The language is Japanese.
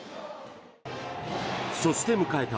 そして迎えた